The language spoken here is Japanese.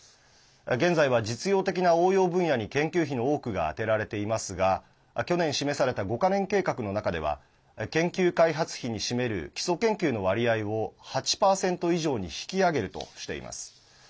現在は、実用的な応用分野に研究費の多くが充てられていますが去年示された５か年計画の中では研究開発費に占める基礎研究の割合を８％以上に引き上げるとしています。